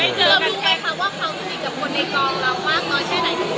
เธอรู้ไหมคะว่าเขาจะดีกับคนในกลองเรามากน้อย